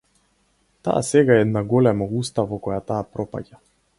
Таа сега е една голема уста во која таа пропаѓа.